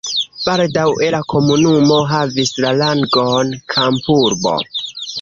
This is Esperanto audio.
Baldaŭe la komunumo havis la rangon kampurbo.